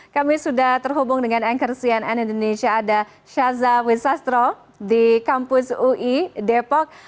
kami sudah terhubung dengan anchor cnn indonesia ada syaza wisastro di kampus ui depok